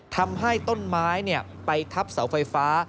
ทำให้ต้นไม้ไปทับเสาไฟฟ้า